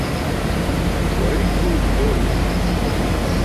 Уара изумҳәозеи?